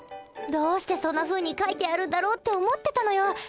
どうしてそんなふうに書いてあるんだろうって思ってたのよ。